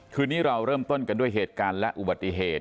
คืนนี้เราเริ่มต้นกันด้วยเหตุการณ์และอุบัติเหตุ